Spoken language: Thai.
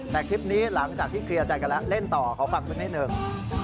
แต่คลิปนี้หลังจากที่เคลียร์ใจกันแล้วเล่นต่อขอฟังสักนิดหนึ่ง